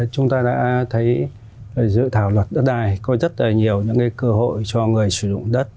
chúng ta đã thấy dự thảo luật đất đai coi rất là nhiều những cơ hội cho người sử dụng đất